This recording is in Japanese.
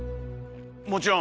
もちろん！